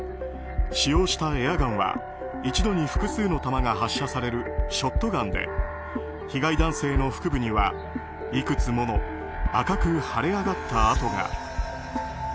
使用したエアガンは一度に複数の弾が発射されるショットガンで被害男性の腹部にはいくつもの赤く腫れ上がった痕が。